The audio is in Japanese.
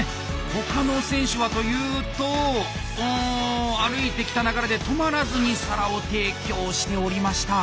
他の選手はというとうん歩いてきた流れで止まらずに皿を提供しておりました。